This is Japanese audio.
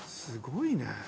すごいね。